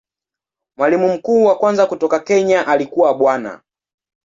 Mwalimu mkuu wa kwanza kutoka Kenya alikuwa Bwana.